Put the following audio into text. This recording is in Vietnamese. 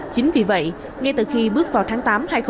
chính vì vậy ngay từ khi bước vào tháng tám hai nghìn hai mươi